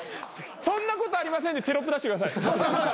「そんなことありません」でテロップ出してください。